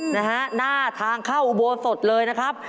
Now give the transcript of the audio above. นะฮะหน้าทางเข้าอุโบสถเลยนะครับ